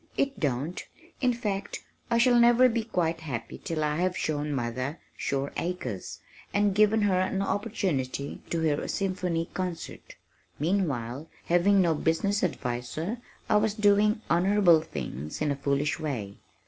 It don't, in fact I shall never be quite happy till I have shown mother Shore Acres and given her an opportunity to hear a symphony concert." Meanwhile, having no business adviser, I was doing honorable things in a foolish way.